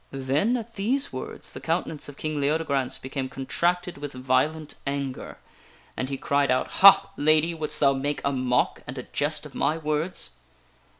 Then, at these words, the countenance of King Leodegrance became contracted with violent anger, and he cried out :" Ha, Lady ! Wouldst thou make a mock and a jest of my words?